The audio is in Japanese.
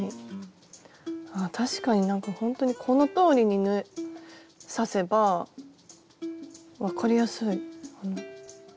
あ確かになんかほんとにこのとおりに刺せば分かりやすい。